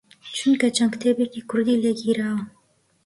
چونکە چەند کتێبێکی کوردی لێ گیراوە